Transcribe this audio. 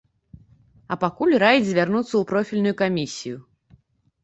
А пакуль раіць звярнуцца ў профільную камісію.